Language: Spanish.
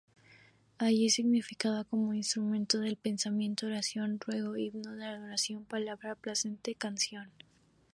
Allí significaba ―como ‘instrumento del pensamiento’― ‘oración, ruego, himno de adoración, palabra aplastante, canción’.